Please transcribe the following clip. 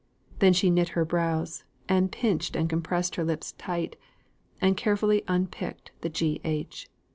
Then she knit her brows, and pinched and compressed her lips tight, and carefully unpicked the G.H.